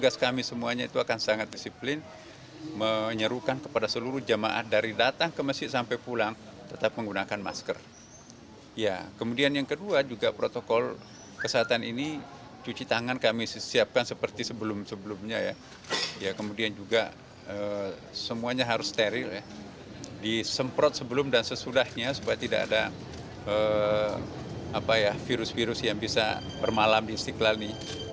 semuanya harus steril disemprot sebelum dan sesudahnya supaya tidak ada virus virus yang bisa bermalam di istiqlal ini